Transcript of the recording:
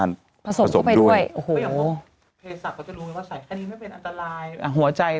มีสารตั้งต้นเนี่ยคือยาเคเนี่ยใช่ไหมคะ